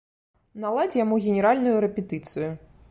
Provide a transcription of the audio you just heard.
Наладзь яму генеральную рэпетыцыю.